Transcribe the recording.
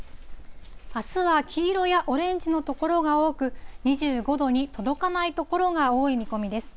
あすは黄色やオレンジの所が多く、２５度に届かない所が多い見込みです。